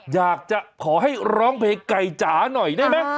อยากจะขอให้ร้องเพลงไก่จ๋าหน่อยได้ไหม